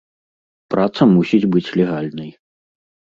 Праца мусіць быць легальнай.